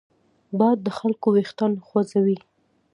باد د خلکو وېښتان خوځوي